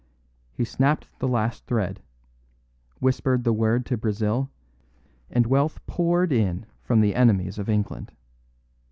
He snapped the last thread, whispered the word to Brazil, and wealth poured in from the enemies of England.